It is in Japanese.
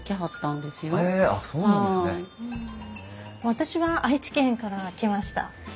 私は愛知県から来ました。